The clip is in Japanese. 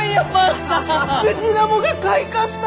ムジナモが開花した！？